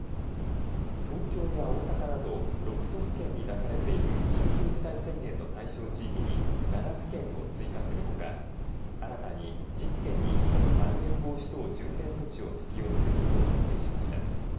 東京や大阪など６都府県に出されている緊急事態宣言の対象地域に７府県を追加するほか新たに１０県にまん延防止等重点措置を適用することを決定しました。